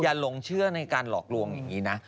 หลงเชื่อในการหลอกลวงอย่างนี้นะ